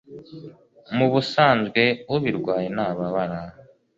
Mu busanzwe ubirwaye ntababara